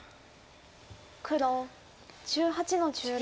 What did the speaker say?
黒１８の十六。